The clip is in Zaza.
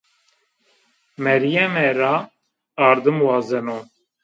Meryeme ra ardim wazeno